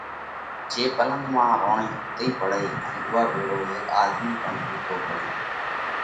جي پلنڳ مانه روڻئِي ۿُوتئِي پڙئيه ان اُوئا ڀيۯو هيڪ آۮمِي پڻ ۿُوتو پڙيوه۔